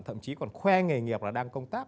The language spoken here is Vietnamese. thậm chí còn khoe nghề nghiệp là đang công tác